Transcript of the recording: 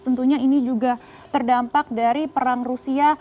tentunya ini juga terdampak dari perang rusia